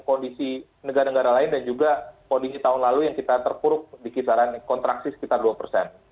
kondisi negara negara lain dan juga kondisi tahun lalu yang kita terpuruk di kisaran kontraksi sekitar dua persen